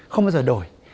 không bao giờ đổi